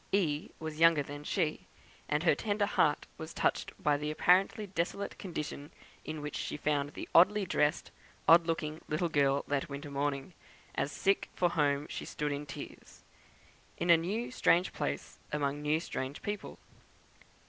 "E." was younger than she, and her tender heart was touched by the apparently desolate condition in which she found the oddly dressed, odd looking little girl that winter morning, as "sick for home she stood in tears," in a new strange place, among new strange people.